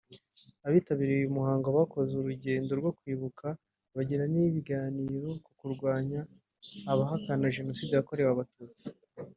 Abitabiriye uyu muhango bakoze urugendo rwo kwibuka bagira n’ibiganiro ku kurwanya abahakana Jenoside yakorewe Abatutsi